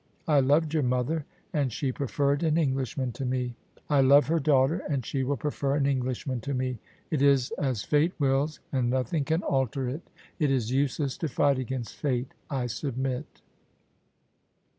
I loved your mother, and she preferred an English man to me; I love her daughter, and she will prefer an Englishman to me : it is as Fate wills, and nothing can alter it. It is useless to fight against Fate. I submit."